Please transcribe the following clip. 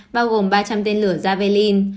bao gồm ba trăm linh tên lửa javelin